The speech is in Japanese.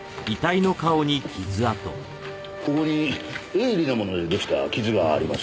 ここに鋭利なもので出来た傷があります。